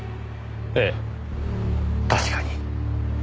ええ確かに。